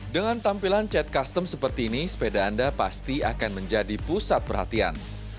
dengan tampilan chat custom seperti ini sepeda anda pasti akan menjadi pusat perhatian